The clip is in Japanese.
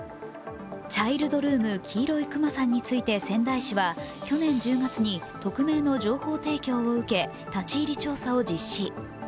チャイルドルームきいろいくまさんについて仙台市は去年１０月に匿名の情報提供を受け、立ち入り調査を実施。